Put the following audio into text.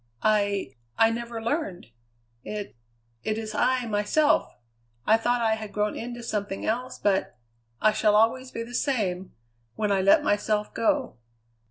"I I never learned. It it is I, myself. I thought I had grown into something else, but I shall always be the same when I let myself go."